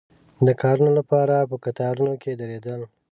د کارونو لپاره په کتارونو کې درېدل.